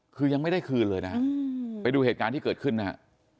คือยังไม่ได้คืนเลยนะฮะไปดูเหตุการณ์ที่เกิดขึ้นนะฮะ